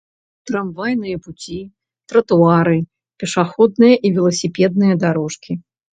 Трамвайныя пуці, тратуары, пешаходныя і веласіпедныя дарожкі